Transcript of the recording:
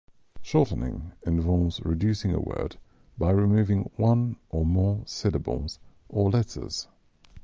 Shortening involves reducing a word by removing one or more syllables or letters.